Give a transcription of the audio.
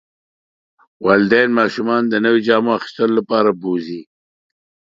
والدین ماشومان د نویو جامو اخیستلو لپاره بوځي.